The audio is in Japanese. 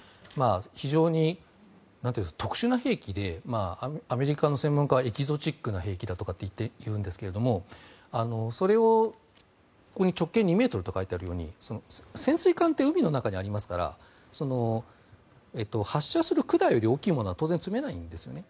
非常に特殊な兵器でアメリカの専門家はエキゾチックな兵器だというんですがそれをここに直径２ｍと書いてあるように潜水艦って海の中にありますから発射する管より大きいものは当然積めないんですよね。